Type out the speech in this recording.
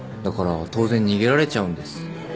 だから当然逃げられちゃうんです。